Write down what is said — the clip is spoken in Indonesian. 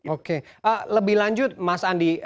oke lebih lanjut mas andi